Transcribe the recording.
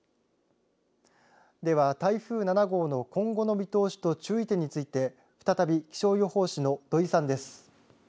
では台風７号の今後の見通しと注意点について再び気象予報士の土井さんです。